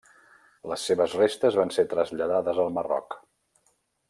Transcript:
Les seves restes van ser traslladades al Marroc.